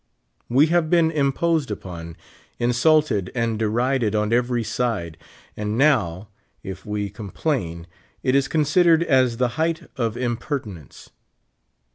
We have been imposed upon, in sulted, and derided on every side ; and now, if we com plain, it is considered as the height of impertinence.